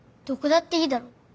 どこだっていいだろ。